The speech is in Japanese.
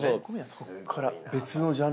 そこから。